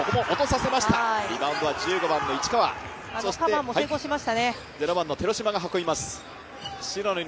カバーも成功しましたね。